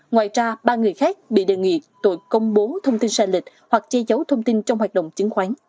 ngoài ra ba người khác bị đề nghị tội công bố thông tin sai lịch hoặc che giấu thông tin trong hoạt động chứng khoán